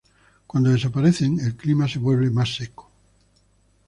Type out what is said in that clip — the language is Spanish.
Cuando desaparecen, el clima se vuelve más seco.